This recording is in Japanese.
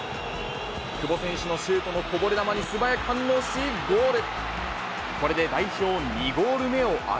久保選手のシュートのこぼれ球に素早く反応し、ゴール。